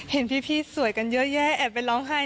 เห็นพี่สวยกันเยอะแยะแอบไปร้องไห้